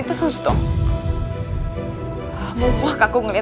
aku harus singkirkan si d u